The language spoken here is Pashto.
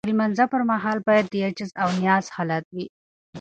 د لمانځه پر مهال باید د عجز او نیاز حالت وي.